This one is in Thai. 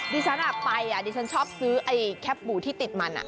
ดิฉันไปดิฉันชอบซื้อไอ้แคปหมูที่ติดมัน